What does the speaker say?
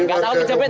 enggak tahu kejepit